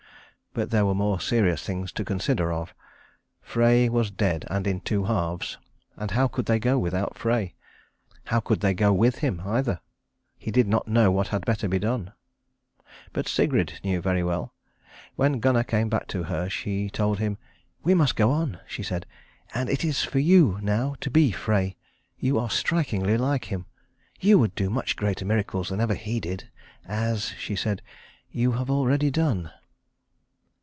But there were more serious things to consider of. Frey was dead and in two halves, and how could they go without Frey? How could they go with him either? He did not know what had better be done. But Sigrid knew very well. When Gunnar came back to her she told him. "We must go on," she said, "and it is for you now to be Frey. You are strikingly like him. You would do much greater miracles than ever he did as," she said, "you have already done."